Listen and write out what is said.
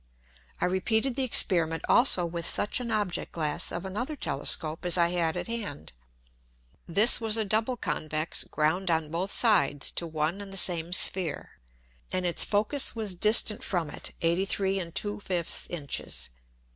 I repeated the Experiment also with such an Object glass of another Telescope as I had at hand. This was a double Convex ground on both sides to one and the same Sphere, and its Focus was distant from it 83 2/5 Inches.